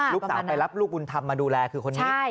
ลูกสาวไปรับลูกบุญธรรมมาดูแลคือคนนี้